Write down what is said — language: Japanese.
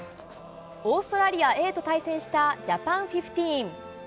オーストラリアＡと対戦したジャパンフィフティーン。